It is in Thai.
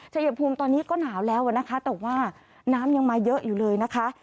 ชายภูมิตอนนี้ก็หนาวแล้วนะคะแต่ว่าน้ำยังมาเยอะอยู่เลยนะคะ